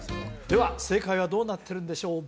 では正解はどうなっているんでしょう